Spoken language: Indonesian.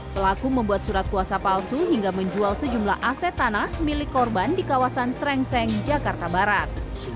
pelaku membuat surat kuasa palsu hingga menjual sejumlah aset tanah milik korban di kawasan serengseng jakarta barat